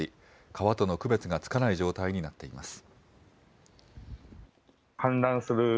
川との区別がつかない状態になっています。